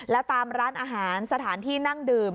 แล้วตามร้านอาหารสถานที่นั่งดื่ม